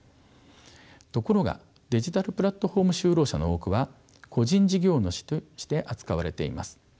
ところがデジタルプラットフォーム就労者の多くは個人事業主として扱われています。